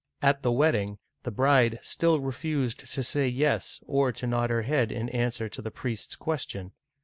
At the wedding, the bride still refused to say "yes," or to nod her head in answer to the priest's question.